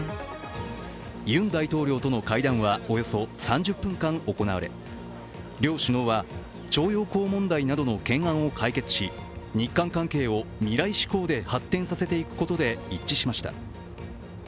ユン大統領との会談はおよそ３０分間行われ両首脳は徴用工問題などの懸案を解決し日韓関係を未来志向で発展させていくことで一致しました。